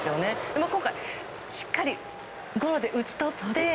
でも今回しっかりゴロで打ち取って。